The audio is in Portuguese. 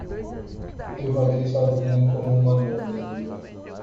Eu vaguei sozinho como uma nuvem.